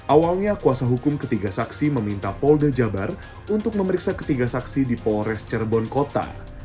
awalnya kuasa hukum ketiga saksi meminta polda jabar untuk memeriksa ketiga saksi di polres cirebon kota